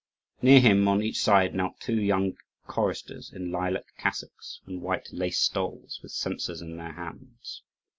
Near him on each side knelt two young choristers in lilac cassocks and white lace stoles, with censers in their hands.